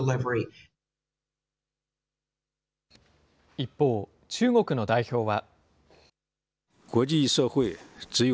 一方、中国の代表は。